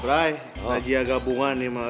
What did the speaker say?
brai lagi agak bunga neng mak